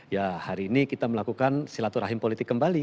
ya hari ini kita melakukan silaturahim politik kembali